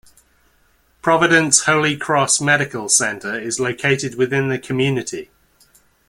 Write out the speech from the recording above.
Providence Holy Cross Medical Center is located within the community.